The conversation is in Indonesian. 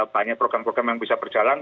banyak program program yang bisa berjalan